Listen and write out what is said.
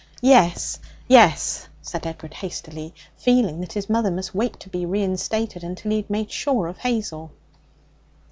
'Yes yes,' said Edward hastily, feeling that his mother must wait to be reinstated until he had made sure of Hazel.